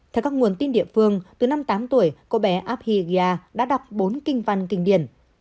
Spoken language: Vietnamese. theo các nguồn tin địa phương từ năm tám tuổi cô bé abhigia đã đọc bốn kinh văn kinh điển